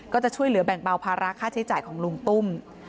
ก็จะช่วยเหลือแบ่งเบาภาระค่าใช้จ่ายของลุงตุ้ม